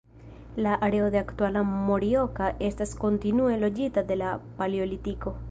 La areo de aktuala Morioka estis kontinue loĝita de la paleolitiko.